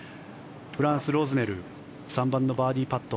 フランス、ロズネル３番のバーディーパット。